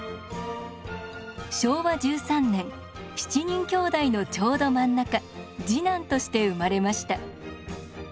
昭和１３年７人きょうだいのちょうど真ん中次男として生まれました。